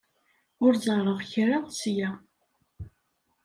Ur ẓerreɣ kra ssya.